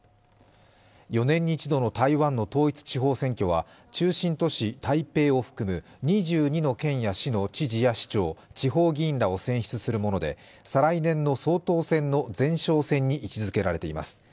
４年に一度の台湾の統一地方選挙は中心都市・台北を含む２２の県の知事や市長、地方議員らを選出するもので、再来年の総統選の前哨戦と位置づけられています。